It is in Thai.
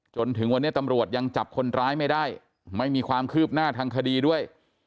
จนถึงวันนี้ตำรวจยังจับคนร้ายไม่ได้ไม่มีความคืบหน้าทางคดีด้วย